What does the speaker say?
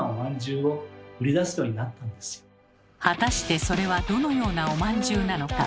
果たしてそれはどのようなおまんじゅうなのか。